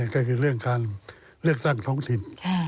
ก็คือเรื่องการเลือกตั้งท้องถิ่น